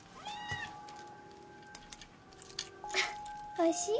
おいしい？